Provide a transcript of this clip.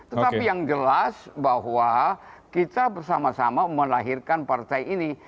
tetapi yang jelas bahwa kita bersama sama melahirkan partai ini